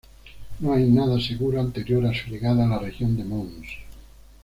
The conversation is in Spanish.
No hay nada seguro anterior a su llegada a la región de Mons.